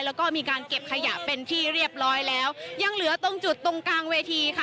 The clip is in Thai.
แล้วก็มีการเก็บขยะเป็นที่เรียบร้อยแล้วยังเหลือตรงจุดตรงกลางเวทีค่ะ